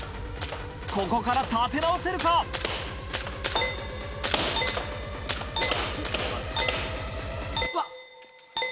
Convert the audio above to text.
ここから立て直せるか⁉うわっ！